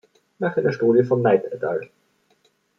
Nach einer Studie von Knight et al.